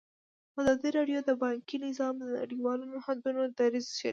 ازادي راډیو د بانکي نظام د نړیوالو نهادونو دریځ شریک کړی.